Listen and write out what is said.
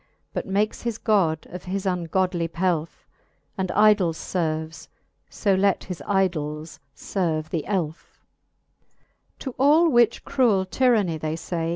But makes his God of his ungodly pelfe, And idols lerves j fb let his idols ferve the elfe. XX. To all which cruell tyranny, they fay.